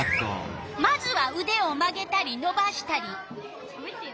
まずはうでを曲げたりのばしたり。